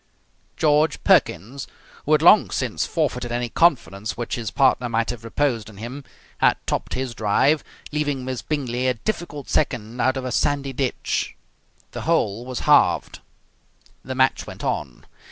George Perkins, who had long since forfeited any confidence which his partner might have reposed in him, had topped his drive, leaving Miss Bingley a difficult second out of a sandy ditch. The hole was halved. The match went on.